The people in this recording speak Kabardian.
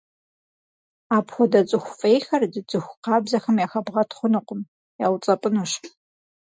Апхуэдэ цӀыху фӀейхэр ди цӀыху къабзэхэм яхэбгъэт хъунукъым, яуцӀэпӀынущ.